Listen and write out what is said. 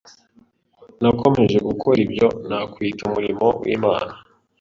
Nakomeje gukora ibyo nakwita umurimo w’Imana